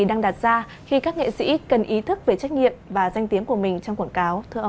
đang đặt ra khi các nghệ sĩ cần ý thức về trách nhiệm và danh tiếng của mình trong quảng cáo thưa ông